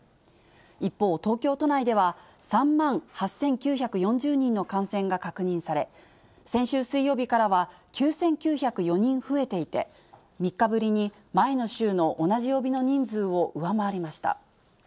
一方、東京都内では３万８９４０人の感染が確認され、先週水曜日からは９９０４人増えていて、３日ぶりに前の週の同じ曜日の人数を上回りました。